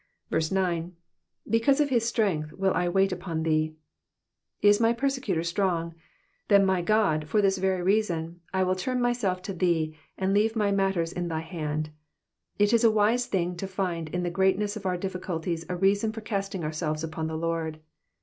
9. ^^ Because of his strength mil I uait upon tJiee.'*^ Is my persecutor strong ? Then, my God, for this very reason I will turn myself to thee, and leave my matters in thy hand. It is a wise thing to find in the greatness of our difficulties a reason for casting ourselves upon the Lord.